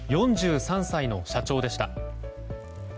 ４３歳の社長でした。